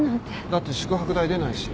だって宿泊代出ないし。